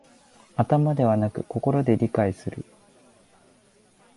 頭ではなく心で理解する